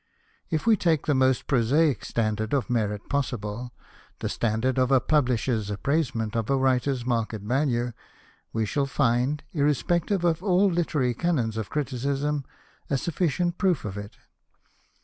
If we take the most prosaic standard of merit possible, the standard of a publisher's appraisement of a writer's market value, we shall find, irrespective of all literary canons of criticism, a sufficient proof of it.